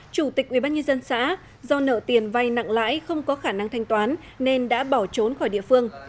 chủ tịch ubnd xã do nợ tiền vay nặng lãi không có khả năng thanh toán nên đã bỏ trốn khỏi địa phương